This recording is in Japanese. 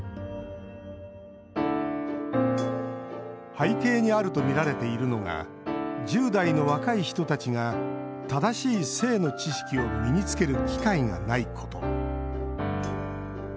背景にあるとみられているのが１０代の若い人たちが正しい性の知識を身につける機会がないこと。